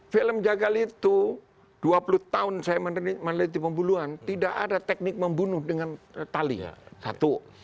film jagal itu dua puluh tahun saya meneliti pembunuhan tidak ada teknik membunuh dengan tali satu